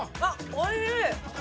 おいしい？